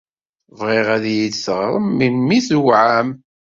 Bɣiɣ ad iyi-d-teɣrem melmi tuɛam.